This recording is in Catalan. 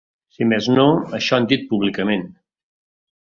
Si més no, això han dit públicament.